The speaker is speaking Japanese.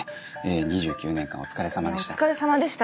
２９年間お疲れさまでした。